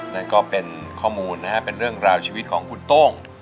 นั่นก็เป็นข้อมูลนะครับเป็นเรื่องราวชีวิตของคุณโต้ง